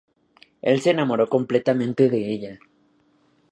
Él se enamoró completamente de ella.